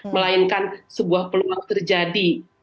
melainkan sebuah peluang terjadi